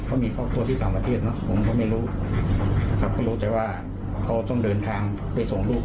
เขามีพ่อตัวที่สามประเทศผมก็ไม่รู้ก็รู้แต่ว่าเขาต้องเดินทางไปส่งลูก